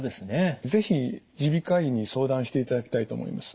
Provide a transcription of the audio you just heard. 是非耳鼻科医に相談していただきたいと思います。